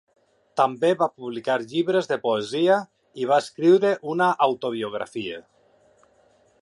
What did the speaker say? També va publicar llibres de poesia i va escriure una autobiografia.